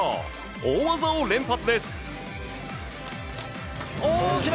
大技を連発です。